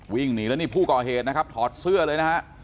วิ่งหนีแล้วนี่ผู้ก่อเหตุถอดเสื้อเลย